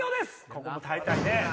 ここも耐えたいね